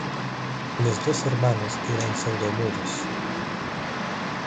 Los dos hermanos eran sordomudos.